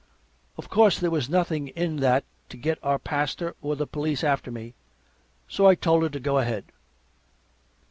Of course, there was nothing in that to get our pastor or the police after me, so I told her to go ahead.